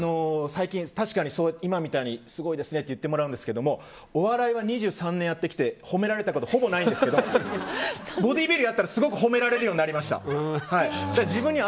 最近、確かに今みたいにすごいですねって言ってもらうんですけどもお笑いは２３年やってきて褒められたことはほぼないんですけどボディービルやったら、すごく褒められるようになりました。